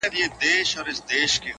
او پر خره باندي یې پیل کړل ګوزارونه؛